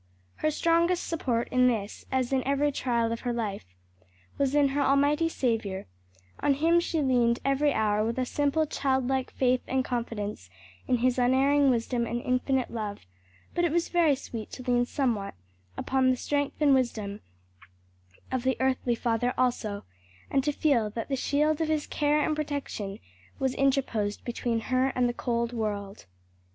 Her strongest support in this, as in every trial of her life, was in her almighty Saviour; on Him she leaned every hour with a simple childlike faith and confidence in His unerring wisdom and infinite love; but it was very sweet to lean somewhat upon the strength and wisdom of the earthly father also, and to feel that the shield of his care and protection was interposed between her and the cold world.